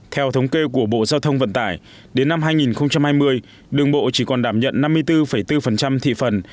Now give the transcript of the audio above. theo thống kê của bộ giao thông vận tải đến năm hai nghìn hai mươi đường bộ chỉ còn đảm nhận năm mươi bốn bốn thị phần